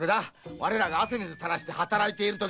我らが汗水たらして働いているときに。